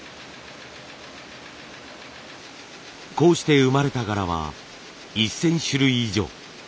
こうして生まれた柄は１，０００種類以上。